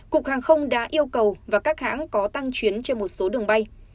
cục hàng không đã yêu cầu và các hãng có tăng chuyến trên một số đường bay